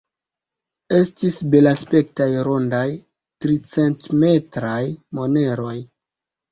Estis belaspektaj rondaj, tricentimetraj moneroj.